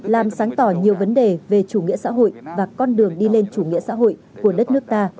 làm sáng tỏ nhiều vấn đề về chủ nghĩa xã hội và con đường đi lên chủ nghĩa xã hội của đất nước ta